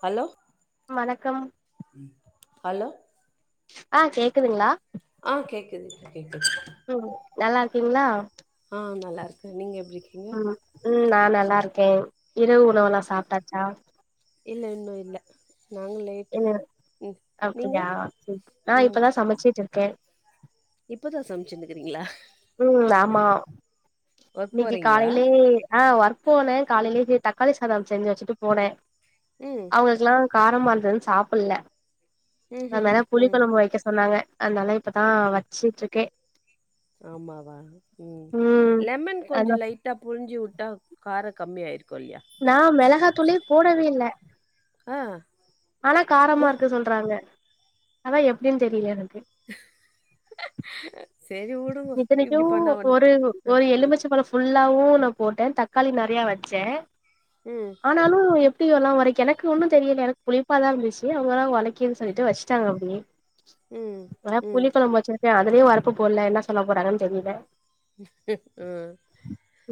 Hello வணக்கம் hello ஆ கேக்குதுங்களா ஆ கேக்குது இப்ப கேக்குது ம் நல்லா இருக்கீங்ளா ஆ நல்லா இருக்கே நீங்க எப்டி இருக்கீங்க கே இரவு உணவெல்லா ம் சாப்ட்டாச்சா இல்ல இன்னு இல்ல நாங்க லேட்டு ம் ம் நீங்க அப்டியா சரி ஆ ம் இப்பதா சமச்சுட்டு இருக் கே இப்பதா சமச்சிருந்துக்குறீங்களா ம் ஆமா ஒர்க் இன்னிக்கு போறீங்களா காலையிலயே ஆ ஒர்க் போனே காலையிலயே கி தக்காளி சாதம் செஞ்சு வச்சுட்டு போனே ம் அவங்களுக்குலா காரமா இருந்ததுன்னு சாப்புல்ல ம் ம் அதனால ம் புளி ம் குழம்பு வைக்க சொன்னாங்க அதுனால இப்பதா வச்சுட்டுருக் கே ஆமாவா ம் லெமன் கொஞ்சோ அதா லைட்டா புழிஞ்சுவுட்டா கார கம்மியாயிரு நா மெளகா துளே போடவே இல்ல ஆ ஆனா ஓ காரமா இருக்கு சொல்றாங்க அதா எப்டினு தெரில எனக் கு செரி வுடுங்கோ இத்தனைக்கு இப்டி பண்ணா ஒன்னு ஒரு ஒரு எலுமச்ச பழ ஃபுல்லாவு நா போட்டே தக் காளி நெறைய வெச்சே ம் ஆனாலு எப் டி எல்லா ஒறைக்கு எனக்கு ஒன்னு தெரியல எனக்கு புளிப்பாதா இருந்துச்சு அவங்கதா ஒறைக் குன் சொல்லிட்டு வச்சுட்டாங்க அப்டியே ம் ம் ஆனா ம் புளி குழம்பு வச்சு அதுலயு ஒரப்பு போட்ல என்ன சொல்ல போறாங்கன்னு தெரியில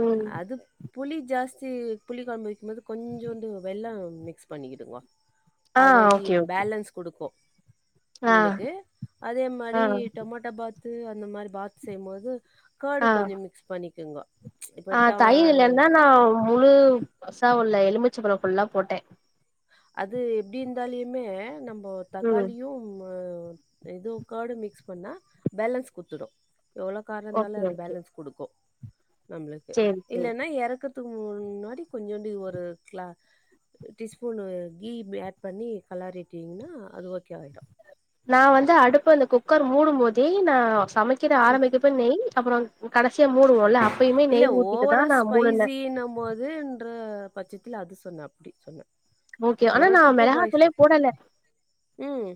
ம் அது புளி ஜாஸ் தி புளிக்குழம்பு வைக்கும் போது கொஞ்சோண்டு வெல்லோ மிக்ஸ் பண்ணிடுங்கோ ஆ அத இ ஓகே ஓகே பேலன்ஸ் குடுக்கூ ஆ உங்குளுக்கு அதே ஆ மாரி டொமாட்டோ பாத் த்து அந்த மாரி பாத் செய்யும்போது ஆ கர்டு கொஞ்சம் மிக்ஸ் பண்ணிக்கிங்கோ ஆ தயிர் இல்லன்தா நா முழு பசா உள்ள எலுமிச் ச்சப்பழோ ஃபுல்லா போட்டே அது எப்டி இருந்தாலியுமே நம் மோ ம் தக்காளியும் இதூ கர்ட்டு மிக்ஸ் பண்ணா பேலன்ஸ் குத்துடூ எவ்வளோ காரோ ஓகே இருந்தாலே அது ஓகே பேலன்ஸ் குடுக்கூ நம்ளுக்கு சேரி சேரி இல்லன்னா எறக்குற் த்துக்கு முன்னாடி கொஞ்சோண்டு ஒரு கிளா அ டீஸ் ஸ்பூனு கீ பி ஆட் பண்ணி கலாறிட்டீங்கன்னா அது ஓகே ஆயிடூ நா வந்து அடுப்பு அந்த குக்கர் மூடும் போதே நா சமை கிறத ம் ஆரம்பிக் கப்ப நெய் அப்புறோ ம் கட இல்ல ஓவரா நா மூடுனே ஸ்பைசின்ன போதுன்ற பச்ச இல்ல அது சொன்ன அப்டி சொன்ன ஓகே ஆனா நா மெளகாத்துளே போடல ம்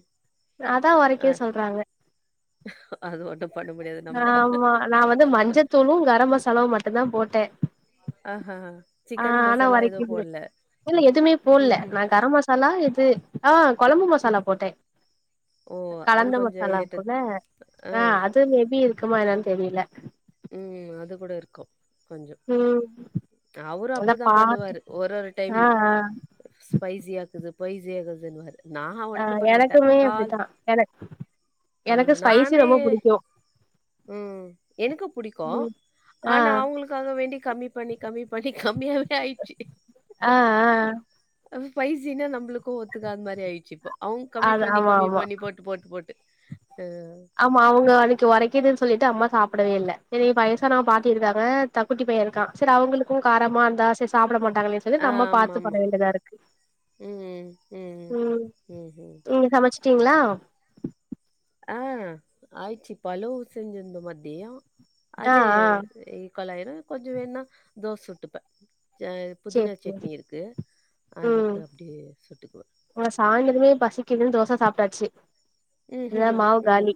அத்தா அ ஒரைக்கிது சொல்றாங்க அது ஒண்ணு பண்ண முடியாது நம்ப ஆமா நா வந்து மஞ்சத்தூளு கர மசாலாவு மட் ட்டுந்தா போட்டே ஆஹா ஆ சிக்கன் ஆனா மசாலா எது ஒரைக்கிது போட்ல இல்ல எதுமே போட்ல ம்ஹூம் நா கர மசாலா இது ஆ கொழம்பு ம் ம். மசாலா போட்டே ஓ அது கலந்த கொஞ்சோ மசாலா ஹைலைட்டட் இருக்குல்ல ஆ அது மேபி இருக்குமா என்னன் தெரில ம் அது கூட இருக்கூ கொஞ்சோ ம் ம் அவரூ அந்த அப்புடிதா பாட்டு பண்ணுவாரு ஒரு ஒரு ஆ டைம்மு ஆ பைசி ஆக்குது பைசி ஆகுதுன்னுவாரு நா ஆ ஒன்னும் பண்ண மாட்டே எனக்குமே கால் அப்டித்தா எனக் ஆ எனக்கு ஸ்பைசி நானே ரொம்ப புடிக்கு ம் எனக்குப் கோ ம் ஆ ஆனா அவங்களுக்காக வேண்டி கம்மி பண்ணி கம்மி பண்ணி கம்மியாவ் ஆ ஆ அப்போ பைசினா நம்ப்ளுக்கு ஒத்துக்காத் மாரி ஆய்ச்சிப்போ அவுங் கம்மி அது பண்ணி ஆமா கம்மி ஆமா பண்ணி போட்டு போட்டு போட் ஆமா அவுங்க அன்னிக் ஒரைக்கிதுன் சொல்லிட்டு அம்மா சாப்டவே இல்ல செரி வயசான பாட்டி நா இருக்காங்க [unintelligible] குட்டி பைய இருக்கா செரி அவுங்களுக் கு காரமா இருந்தா சே சாப்புட மாட் டாங்களே சொல்லி நம்ம ஆமா பாத்து பண்ண ஆமா வேண்டிதாருக்கு ம் ம் ம் நீங்க சமச் சீங்களா ஆ ஆயிச்சி பலவு செஞ்சிர்ந்தோ மதியோ ஆ அதே ஆ இ காலாயிரு கொஞ்ச வேணா தோஸ் சுட்டுப்பே ச சேரி புதினா சேரி சட்னி இருக்கு அதுக்கு அப்டி சுட்டுக்குவ இவ சாய்ந்தரமே பசிக்குதுன் தோச சாப்ட்டாச்சி அதா ம்ஹ்ஹும் மாவு ம் காலி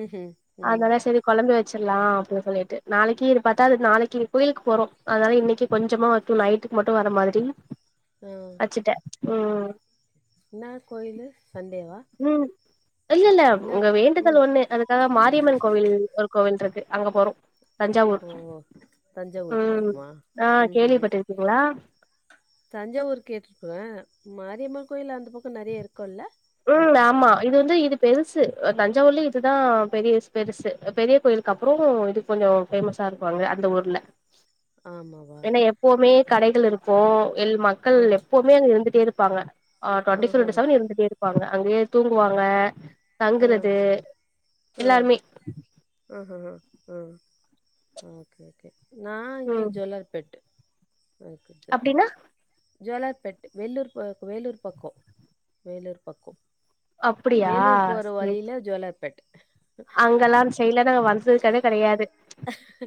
ம்ஹ்ம் ம் ம் அத்னால செரி கொழம்பு வ ச்சலாம் அப்டின் சொல்லிட்டு நாளைக்கிரு பாத்தா அது நாளைக்கி கோயிலுக்கு போறோ அத்னால இன்னைக்கே கொஞ்சமா வா நைட்டுக்கு மட்டு வர மாதிரி வச்சிட்ட ம் இன்னா கோயிலு சண்டேவா ம் இல்ல இல்ல என்ன அவ்ங்க வேண்டுதல் ம் ஒண்ணு அதுக்காக மாரியம்மன் கோவில் ஒரு கோவில்ருக் கு அங்க போறோ தஞ்சாவூர் ஓ தஞ்சாவூர் ம் பக்கமா அ ம்ஹ்ஹும் கேள்விப்பட்டுருக்கீங்களா தஞ்சாவூர் கேட்ருக்கே மாரியம்மன் கோயில் அந்த பக்கோ நெறிய இருக் ம் ஆமா இது வந்து இது பெருசு அ தஞ்சாவூர்லே இதுதா பெரிய பெருசு அ பெரிய கோயிலுக்கு அப்பறோ இது கொஞ்சோ பெருசா இருக்கோ அங்க அந்த ஊர்ல ஆமாவா ஏனா எப்போமே கடைகள் இருக் கோ எல் மக்கள் ஆ எப்போமே அங் இருந்துட்டே இருப் பாங்க அ டொண்டி ஃபோர் ஆஹஹ இண்டு செவன் இருந்துட்டே இருப் பாங்க அங்கயே தூங்குவாங்க ஆ தங்குறது எல்லாருமே ம் ம் ஓகே ஓகே நா இங்க ஜோலார் பேட்டு அப்டினா ஜோலார் பெட் வெள்ளூர் ப வேலூர் பக்கோ வேலூர் பக்கோ அப்புடியா சேர் சேர் ஜோலார்பேட். அங்கெல்லா அந்த சைடலா நாங்க வந்தது கூட கெடையாது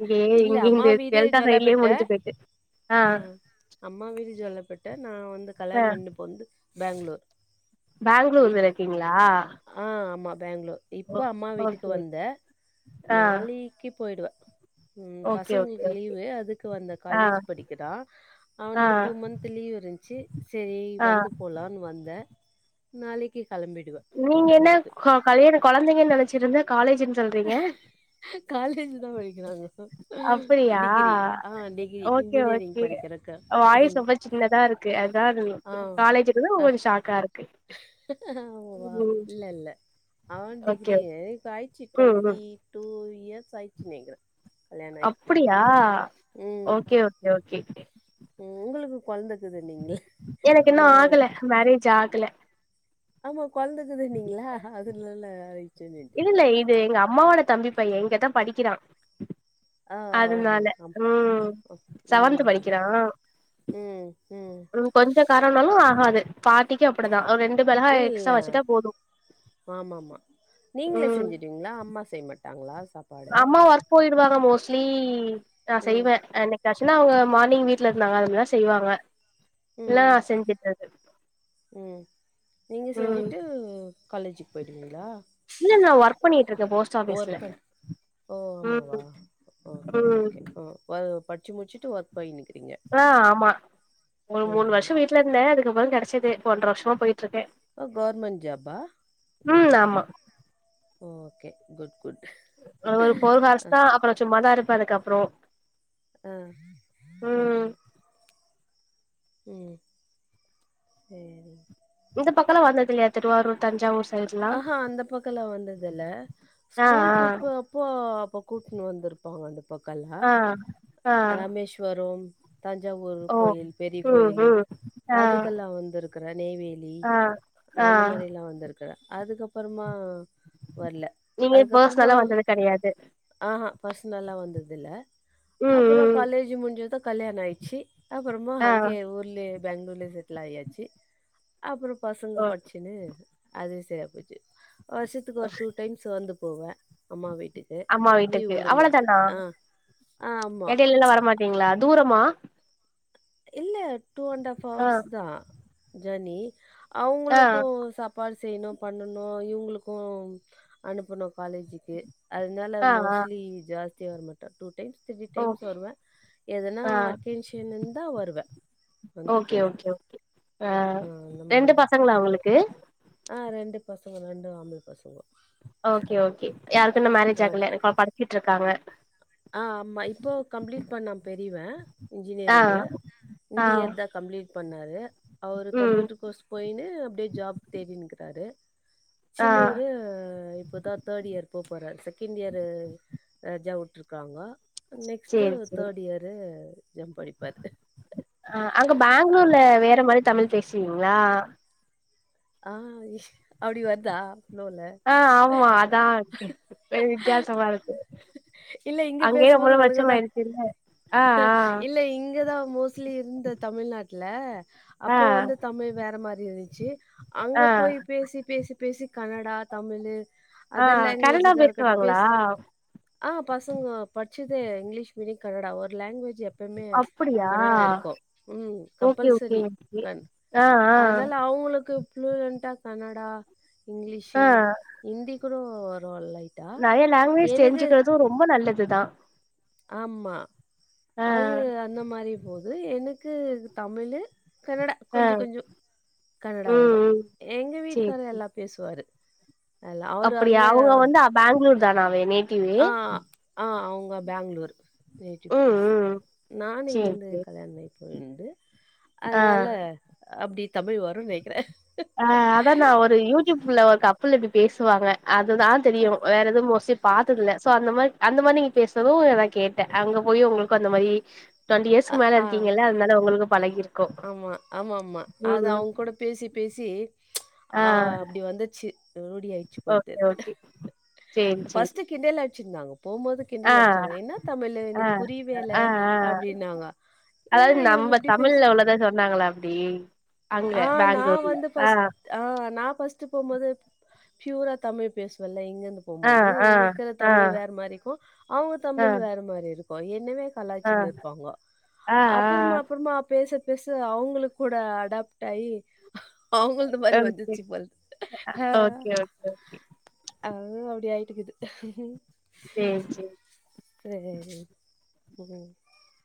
இங்கயே இல்ல இங்க அம்மா இங்க வீடு டெல்டா சைடலயே ஜோலார்பேட்ட. முடிஞ்சு போயிட்டு அ க நா வந்து கல்யாண பண்ட்டு போன்து பேங்ளூர் பேங்ளூர்ல இப் இருக்கீங்களா அ ஆமா பேங்ளூர் ஓ இப்போ அம்மா வீட்டுக்கு ஓகே வந்த ஆ நாளைக்கு போய்டுவ ம் ஓகே ஓகே பசங்களுக்கு ஓகே லீவு அதுக்கு வந்த ஆ காலேஜ் படிக்கிறா ஆ அவனுக்கு டூ மந்த் இருந்ச்சு சரி ஆ வந்து போலான் வந்த நாளைக்கு கெளம்பிடுவே நீங்க என்ன ஊருக்கு க கல்யாண கொழந்தைங்கனு நெனச்சிட்ருந்த காலேஜ் னு சொல்றிங்க காலேஜ் தா படிக்கிறாங்க அப்புடியா டிகிரி ஆ டிகிரி ஓகே இன்ஜினியரிங் ஓகே படிக்கிறக்கு வாய்ஸ் ம் ரொம்ப சின்னதா இருக்கு அதா ஆ காலேஜ்னது ஷாக்கா இருக் போவா இல்ல இல்ல அவன் டிகிரி ஓகே எ கா ஏஜ் ம் ம் டுவெண்ட்டி டூ டூ இயர்ஸ் ஆயிருச்சு நேகர அப்புடியா ம் ஓகே ஓகே ம் ஓகே ம் உங்களுக்கு கொழந்தக்குதுன்னீங்களே எனக்கு இன்னு நா ஒரு ஆகல மேரேஜ் ஆகல ஆமா கொழந்த இக்குதுனிங்கள அதுனால அ இல்ல இல்ல இது எங்க அ அம்மாவோட தம்பி பைய இங்கதா படிக்கிறா ஆ ஆஹா அதனால ஆமா ம் ஆ செவன்த் ம் படிக்கிறா ம் ம் உ கொஞ்ச காரனாலு ஆகாது பாட்டிக்கு அப்புடிதா ரெண் இல்லில்ல ஆமாமா நீங்களே ம் செஞ்சிடுவிங்ளா அம்மா செய்ய மாட் டாங்ளா அம்மா ஒர்க் போயிடுவாங் க மோஸ்டாலி நா ம் செய்வேன் என்னைக் ஆச்சு ஏன்னா அவங்க மார்னிங் வீட்டுல இருந்தாங்க அதுனால்லா செய்வாங்க எல்லா செஞ்சுட்டது உம் நீங்க செஞ்சுட்டு காலேஜக்கு போயிடுவீங்களா இல்லன்ன வர்க ஒர்க ஓ ம் ஆமாவா ஓகே ஓகே ம் பா டிச்சி முச்சுட்டு வ போய் நிக்கிறீங்க ஆ ஆமா ஒரு மூணு வருஷ வீடல இருந்த அதுக்குப்புற கிச்சது ஒனன்றா வருஷமா போயிட்டு கவரமெ் ஜபா ம் உண்டு ஆமா ஓகே குட் ஒரு போர் ஹார்ஸ் அ அ தா அப்புறம் சும்மாதா இருப்ப அதுக்கப்புற அப்றோம் ஆ ஆ உம் சரி இந்த பக்கல வந்தது இல்லையா திருவாரூர் தஞ்சாவூர் சைட்லா ஆ அ அந்த பக்கல வந்ததுல்ல ஆ ஸ்கூல் ட்ரிப் அப்போ கூட்டுன்னு வந்துருப்பாங்க அந்த பக்கலா ஆ ஆ ஆ ராமேஸ்வரோ தஞ்சாவூர் ஓ கோயில் பெரிய ம் கோயிலலு ம் ஆ அதுக்கெல்லா வந்துருக் நெய்வேலி ஆ ஆ அந்த மாரி எல்லா வந்திருக் அதுக்கப்பறமா வரல நீங்க அதுக்கப்பறமா பர்சனலா வந்தது கெடையாது ஆ பர்சனல்லா வந்ததுல்ல ம் அப்பறோ ம் காலேஜ் முடிஞ்சதா கல்யாண ஆயிடுச்சு அப்பறமா ஆ அங்கே ஊர்லயே பெங்களூர்ல செட்டில் ஆய்யாச்சு அப்புறோ பசங்க ஓ படிச்சுன்னு அதே செரியா போச்சு வருசத்துக்கு ஒரு டூ டைம்ஸ் வந்து போவ அம்மா வீடு அம்மா வீட்டுக்கு அவ்ளோதானா ஆ ஆமாம் இடையில எல்லா வரமாட்டீங்களா தூர மா இல்ல டூ அண்டாஃப் அவர்ஸ் தா ஜேனி ஆ அவுங்களுக்கு சாப்பாடு செய்ணு பண்ணனு இவுங்களுக்கு அனுப்பணு காலேஜிக்கு அதுனால ஆ ஆ மோஸ்ட்லி ஜாஸ் ருக்கே வர மாட்ட டூ டைம்ஸ் த்ரீ ஓ டைம்ஸ் வருவ எதுனா ஆ அக்கேஷன்னுன் ஓகே ஓகே ஓகே ஆ அந்த ரெண்டு மாதிரி பசங்களா உங்களுக்கு ஆ ரெண்டு பசங்க ரெண்டு ஆம்பள பசங்கோ ஓகே ஓகே யாருக்கு இன்னு மேரேஜ் ஆகல [unintelligible] படிச்சிட்ருக்காங்க ஆ ஆமா இப்போ கம்ப்ளீட் பண்ணா பெரிவ ஆ இன்ஜினியரிங்கு இந்த ஆ இயர் தா கம்ப்ளீட் பண்ணாரு அவரு ம் கம்ப்யூட்டர் கோர்ஸ் போயின்னு அப்டியே ஜாப் தேடின்க்குறாரு ஆ சின்னவரு இப்போதா தேட் இயர் போப் போறாரு செகண்ட் இயரு [unintelligible] உட்ரு க்றாங்கோ நெக்ஸ்ட்டு சேரி சேரி தேட் இயரு ஜம் படிப்பாரு. ஆ அங்க அ பேங்ளூர்ல வேற மாரி தமிழ் பேஸ் வீங்ளா ஆ அப்டி வர்தா ஆ ஆமா அதா கே வித்தியாசமா இருக்கு இல்ல இங்க அங்கயே ரொம்ப பேசும்போது வருஷம் ஒழுங்கதா ஆயிடுச்சுல்ல ஆ இல்ல இங்கதா மோஸ்ட்லி இருந்த தமிழ்நா ட்ல ஆ அப்போ வந்து ஆ தமிழ் வேற மாரி இரு ச்சி ஆ அங்க போய் பேசி பேசி பேசி கனடா தமிழு ஆ அதர் கனடா லாங்குவேஜ்கா இருக்கட்டும் பேசுவாங்களா பேஸ் ஆ பசங்கொ படிச்சதே இங்கிலீஷ் மீடியொ கனடா ஒரு லாங்வே ஜு எப்பமே அப்டியா கன்னடா இருக்கு ம் ஓகே ஓகே கம்பல்சரி ஓகே கன் ஆ ஆ அதுனால அவங்களுக்கு ஃப்ளூயண்ட்டா கனடா ஆ இங்கிலீசு ஹிந்தி கூட போர்வோ லைக் நர்யா லாங்குவேஜ் தெரிஞ்சிக் அவு ரொம்ப நல்லதுதா ஆம்மா ஆ அது அந்த மாரி போது எனக் து தமிழு கனடா ஆ கொஞ்சோ ம் கொஞ்சோ கனடா வரு ம் எங்க வீட்க்காரு எல்லா பேசுவாரு அதெல்லாம் அவரு அப்படியா அங்க அவுங்க வந்து பெங்ளூர் தானாவே நேட்டிவெ ஆ, ம். ஆ அவுங்க பேங்ளூர் நேட்டிவ் ம் பிளேஸ்சு ம் நானு சேரி இங்கிருந்து சேரி கல்யாணமே ரெண்டு ஆ ஆ அதனால அப்டி தமிழ் வருனு நேக்கிறே ஃபுல் எப்டி பேசுவாங்க அதுதான் தெரியு வேற எதுவு மொசிட் பாத்ததில்ல சோ அந்த மாரி அந்த மாரி நீங்க பேசுனது நா கேட்டே அங்க போய் உங்ளுக்கு அந்த மாரி ட்வெண்ட்டி அ, இயர்ஸ்க்கு மேலே ஆ, இருக்கீங்கல்ல அதனால உங்களுக்கு பழகி இருக்கு ஆமா, உம் உம் செர் ஆ அப்டி வந்துச்சு ரவ்டியாயிச்சு போல ஓகே தெர்து ஓகே சேரி சேரி ஃபஸ்ட்டு கிண்டல் அட் சின்ந்தாங்க போம்போது ஆ கிண்டல் அட்ச்சாங்க ஏன்னா தமிழூ ஆ எனக் புரிவேல ஆ ஆ அப்டின்னாங்க ஏ அதாவது இவுங்க நம்ம இப்டி பேஸ் தமிழ்ல உள்ளத சொன்னாங்களா அப்டி அங்க ஆ நா பேங்களூர்ல வந்து ஆ ஃபஸ் ஆ நா ஃபஸ்ட்டு போம்போது ப்யூரா தமிழ் பேசுவல்ல இங்க ஆ போம்போது ஆ இங்கிற்க ஆ தமிழ் வேற மாரிக்கு அவுங்க ஆ தமிழ் வேற மாரிரு பொய் என்ன வே ஆ கலாய்ச்சின்ர்ப்பாங்கோ ஆ ஆ அப்றமா அப்றமா பேச பேச அவுங்ளுக் கூட அடாப் ட்டாயி க்கே ஓகே ஓகே ஓகே அது அப்டி ஆய்ட்டுக்குது சேர் சேரி சேரி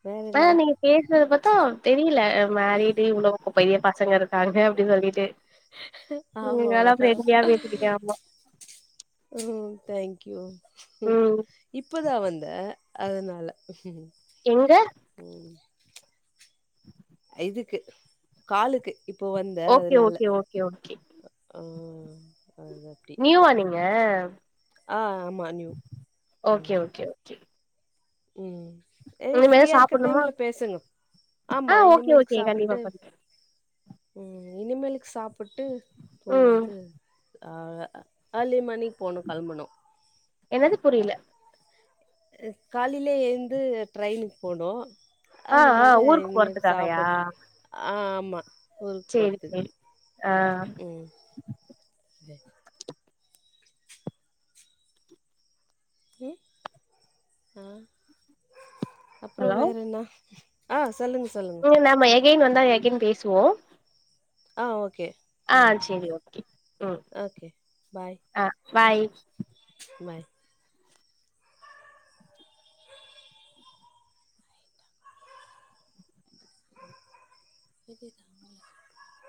ம் வேற ஆனா என்ன? நீங்க பேஸ்றத பத்தா தெரியில அ மேரிடு இவ்ளோ [inaudible] பெரிய பசங்க இருக்காங்க அப்டி சொல்லிட்டு ம் ஆமாமா நல்லா ஃப்ரெண்ட்லியா பேசுறீங்க ஆமா ம் தேங்க்யூ ம் இப்ப தா வந்தே அதுனால எங்க ம் இதுக்கு காலுக்கு இப்போ வந்தே ஓகே அதுனால ஓகே ஓகே ஓகே ஆ ம் நியூவா நீங்க அ ஆ ஆமா நியூ ஓகே ம் ஓகே ஓகே ம் ஏ இனிமேதா ஃப்ரீயா இருக்க சாப்புட்ணுமா டைம்ல பேசுங்க ஆமா ஆ ஓகே இனிமேலுக் ஓகே கண்டிப்பா சாப்ட்டு பண்றே ம் இனிமேலுக் சா ப்ட்டு ம் தூங்கற்து ஆ அ அலி மணி போணு கெளம்பனு என்னது புரியல அ காலைலே எழ்ந்து ட்ரைனுக் போனு ஆ ஆ அத்னால ஊருக்கு இனிமே போறதுக்காகயா சாப்புட்டு ஆ மா சேரி சேரி ஆ ம் ம் ஆ அப்றோ ஹலோ வேற என்னா ஆ சொல்லுங்க சொல்லுங்க ம் நாம எகைன் வந்தா எகைன் பேசுவோ ஆ ஓ ஆ சேரி ஓகே ம் ஓகே ஆ பாய் [inaudible] பாய் [inaudible] [inaudible]